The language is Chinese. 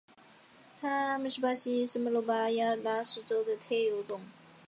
它们是巴西东南部圣保罗州及巴拉那州海岸区的特有种。